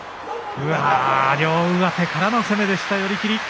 うわー、両上手からの攻めでした、寄り切り。